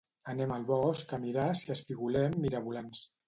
Anem al bosc a mirar si espigolem mirabolans